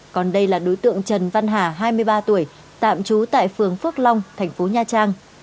còn đây là đối tượng trần văn hà hai mươi ba tuổi tạm trú tại phường phước long thành phố nha trang